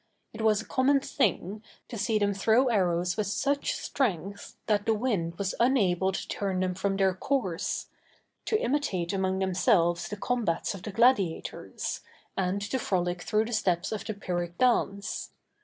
It was a common thing to see them throw arrows with such strength, that the wind was unable to turn them from their course, to imitate among themselves the combats of the gladiators, and to frolic through the steps of the Pyrrhic dance.